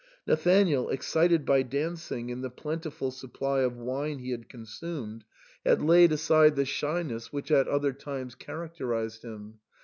Nathanael, excited by dancing and the plentiful supply of wine he had consumed, had laid THE SAND MAN. 203 aside the shyness which at other times characterised him.